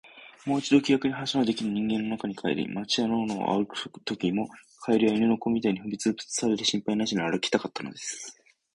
もう一度、気らくに話のできる人間の中に帰り、街や野を歩くときも、蛙や犬の子みたいに踏みつぶされる心配なしに歩きたかったのです。